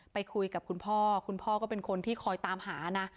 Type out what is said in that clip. ไปคุยกับคุณพ่อคุณพ่อก็เป็นคนที่คอยตามหานะ